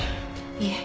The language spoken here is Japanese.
いえ。